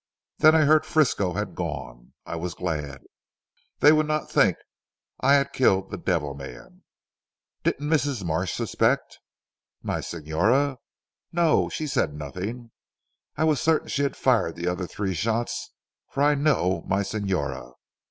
Then I heard Frisco had gone. I was glad. They would not think I had killed the devil man." "Didn't Mrs. Marsh suspect?" "My signora? No. She said nothing. I was certain she had fired the other three shots for I know my signora.